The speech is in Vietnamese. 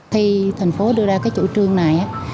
thành phố đưa ra chủ trương này